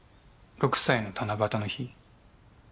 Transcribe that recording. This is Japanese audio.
６歳の七夕の日。